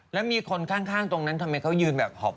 แล้วมีคนข้างตรงนั้นทำไมเขายืนแบบหอบ